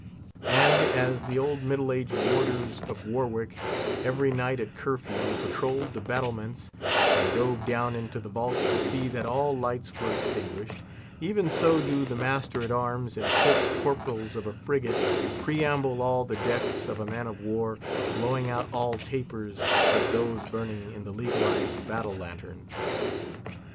And as the old Middle Age warders of Warwick, every night at curfew, patrolled the battlements, and dove down into the vaults to see that all lights were extinguished, even so do the master at arms and ship's corporals of a frigate perambulate all the decks of a man of war, blowing out all tapers but those burning in the legalized battle lanterns.